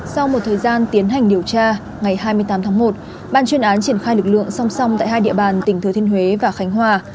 sau một thời gian tiến hành điều tra ngày hai mươi tám tháng một ban chuyên án triển khai lực lượng song song tại hai địa bàn tỉnh thừa thiên huế và khánh hòa